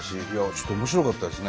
ちょっと面白かったですね。